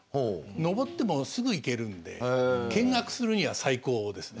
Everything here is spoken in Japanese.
登ってもすぐ行けるんで見学するには最高ですね。